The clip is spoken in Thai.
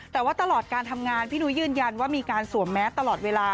แต่ว่าตลอดการทำงานพี่นุ้ยยืนยันว่ามีการสวมแมสตลอดเวลา